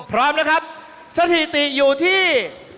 พร้อมนะครับสถิติอยู่ที่